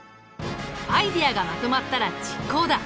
アイデアがまとまったら実行だ！